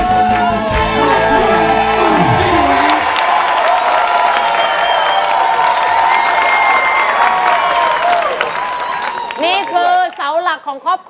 ได้ไม่ได้ต้องบอก